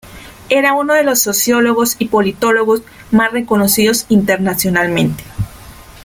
Era uno de los sociólogos y politólogos más reconocidos internacionalmente.